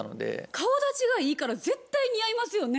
顔だちがいいから絶対似合いますよね。